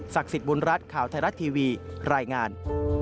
สิทธิ์บุญรัฐข่าวไทยรัฐทีวีรายงาน